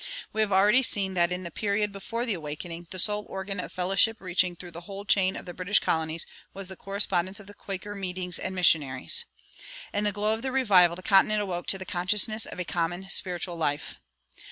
We have already seen that in the period before the Awakening the sole organ of fellowship reaching through the whole chain of the British colonies was the correspondence of the Quaker meetings and missionaries. In the glow of the revival the continent awoke to the consciousness of a common spiritual life.